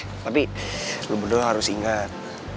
eh tapi lo berdua harus ingat